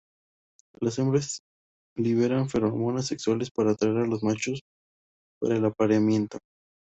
Las hembras liberan feromonas sexuales para atraer a los machos para el apareamiento.